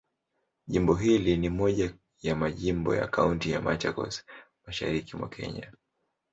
Jimbo hili ni moja ya majimbo ya Kaunti ya Machakos, Mashariki mwa Kenya.